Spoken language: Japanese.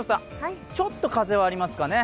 ちょっと風はありますかね。